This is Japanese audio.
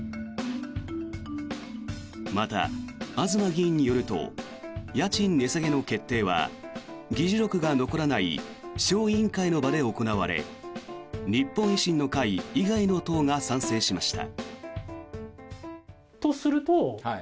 また、東議員によると家賃値下げの決定は議事録が残らない小委員会の場で行われ日本維新の会以外の党が賛成しました。